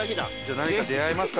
何かに出会えますか